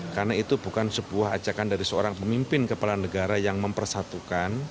karena itu bukan sebuah ajakan dari seorang pemimpin kepala negara yang mempersatukan